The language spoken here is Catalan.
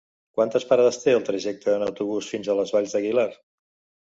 Quantes parades té el trajecte en autobús fins a les Valls d'Aguilar?